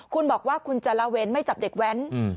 คุณบอกว่าคุณจะละเว้นไม่จับเด็กแว้น